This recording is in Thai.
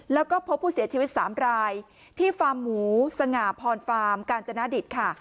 แล้วก็พบผู้เสียชีวิต๓รายที่ฟาร์มหมูสง่าพรฟาร์มกาญจนดิตค่ะ